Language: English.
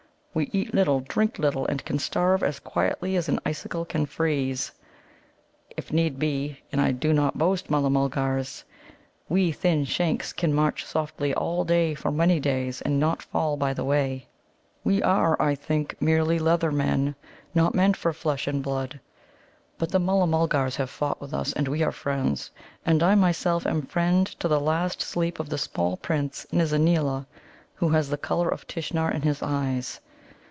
We eat little, drink little, and can starve as quietly as an icicle can freeze. If need be (and I do not boast, Mulla mulgars), we Thin shanks can march softly all day for many days, and not fall by the way. We are, I think, merely Leather men, not meant for flesh and blood. But the Mulla mulgars have fought with us, and we are friends. And I myself am friend to the last sleep of the small Prince, Nizza neela, who has the colour of Tishnar in his eyes.